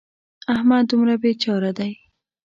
احمد دومره بې چاره دی.